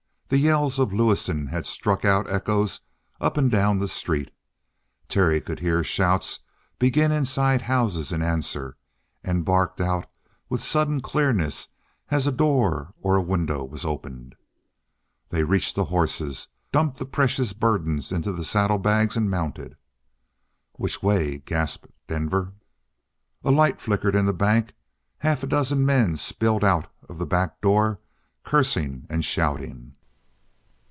The yells of Lewison had struck out echoes up and down the street. Terry could hear shouts begin inside houses in answer, and bark out with sudden clearness as a door or a window was opened. They reached the horses, dumped the precious burdens into the saddlebags, and mounted. "Which way?" gasped Denver. A light flickered in the bank; half a dozen men spilled out of the back door, cursing and shouting.